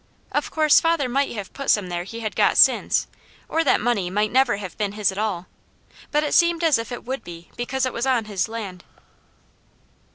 Of course father might have put some there he had got since, or that money might never have been his at all, but it seemed as if it would be, because it was on his land.